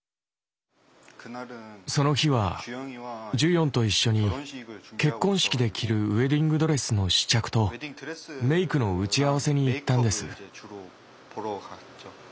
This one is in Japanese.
その日はジュヨンと一緒に結婚式で着るウエディングドレスの試着とメイクの打ち合わせに行ったんです。